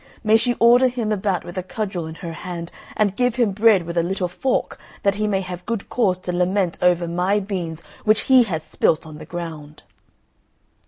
May she order him about with a cudgel in her hand, and give him bread with a little fork, that he may have good cause to lament over my beans which he has spilt on the ground."